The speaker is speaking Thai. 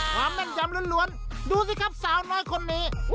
แม่นยำล้วนดูสิครับสาวน้อยคนนี้